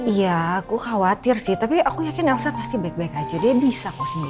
iya aku khawatir sih tapi aku yakin elsa pasti baik baik aja dia bisa kok sendiri